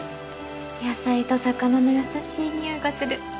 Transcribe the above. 野菜と魚の優しいにおいがする。